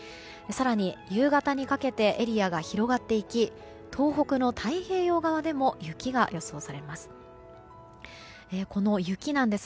更に夕方にかけてエリアが広がっていき東北の太平洋側でも雪が予想されます。